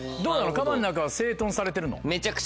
カバンの中は整頓されてるの？